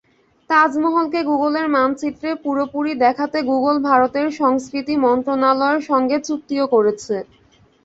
তাজমহলকে গুগলের মানচিত্রে পুরোপুরি দেখাতে গুগল ভারতের সংস্কৃতি মন্ত্রণালয়ের সঙ্গে চুক্তিও করেছে।